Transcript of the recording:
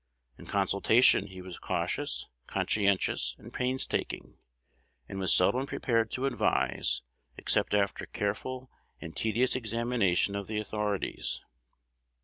In consultation he was cautious, conscientious, and painstaking, and was seldom prepared to advise, except after careful and tedious examination of the authorities.